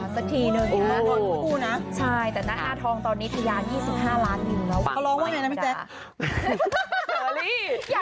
สักทีหนึ่งนะครับใช่แต่หน้าอาทองตอนนี้ทะเลาะ๒๕ล้านหนึ่งแล้วเขาร้องว่าไงนะพี่แจ๊ะ